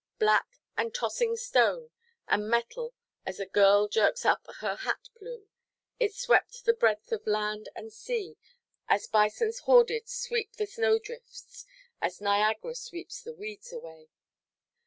Black, and tossing stone and metal as a girl jerks up her hat–plume, it swept the breadth of land and sea, as bisons horded sweep the snow–drifts, as Niagara sweeps the weeds away.